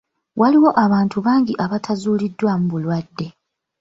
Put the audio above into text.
Waliwo abantu bangi abatazuuliddwamu bulwadde.